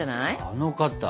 あの方。